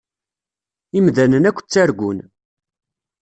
Imdanen akk ttargun.